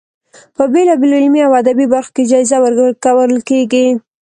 په بېلا بېلو علمي او ادبي برخو کې جایزه ورکول کیږي.